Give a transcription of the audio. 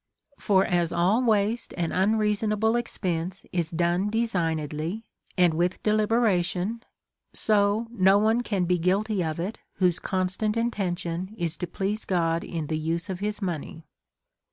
For as all waste and unreasonable expense is done designedly and with de liberation, so no one can be guilty of it whose con stant intention is to please God in the use of his money.